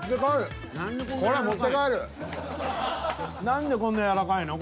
何でこんなやらかいの？